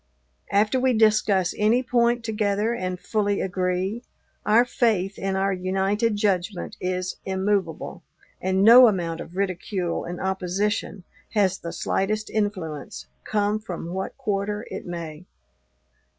After we discuss any point together and fully agree, our faith in our united judgment is immovable and no amount of ridicule and opposition has the slightest influence, come from what quarter it may.